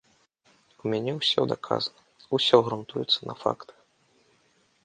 У мяне ўсё даказана, усё грунтуецца на фактах.